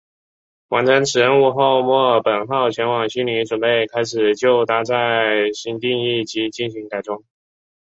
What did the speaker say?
完成此任务后墨尔本号前往悉尼准备开始就搭载新定翼机进行改装。